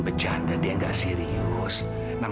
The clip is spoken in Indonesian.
oh dengan si benda yang istri ku dia masih menang